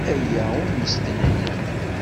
Aya i ummesten-nnem.